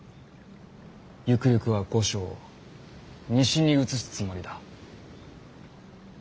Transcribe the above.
ゆくゆくは御所を西に移すつもりだ。